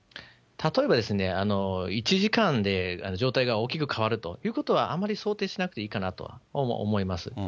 例えばですね、１時間で状態が大きく変わるということは、あんまり想定しなくていいかなと思います。